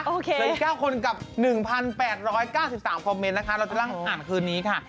เหลืออีก๙คนกับ๑๘๙๓คอมเมนต์นะคะเราจะนั่งอ่านคืนนี้ค่ะ